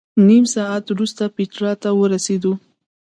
نیم ساعت وروسته پېټرا ته ورسېدو.